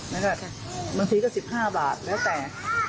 แล้วก็บางทีก็๑๕บาทแล้วแต่